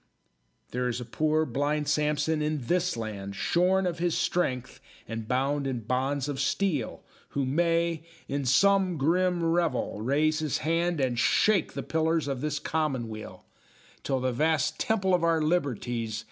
There is a poor, blind Samson in this land, Shorn of his strength and bound in bonds of steel, Who may, in some grim revel, raise his hand, And shake the pillars of this Commonweal, Till the vast Temple of our liberties.